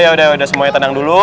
yaudah yaudah semuanya tenang dulu